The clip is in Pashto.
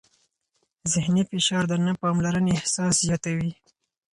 ذهني فشار د نه پاملرنې احساس زیاتوي.